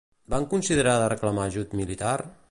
Van considerar de reclamar ajut militar?